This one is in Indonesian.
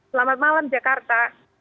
selamat malam jakarta